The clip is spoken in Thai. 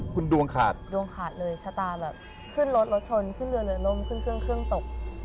คุณดวงขาดดวงขาดเลยชะตาแบบขึ้นรถรถชนขึ้นเรือเรือล่มขึ้นเครื่องเครื่องตก